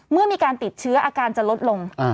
เมื่อมีการติดเชื้ออาการจะลดลง